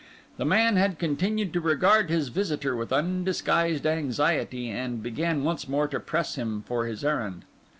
The man had continued to regard his visitor with undisguised anxiety, and began once more to press him for his errand.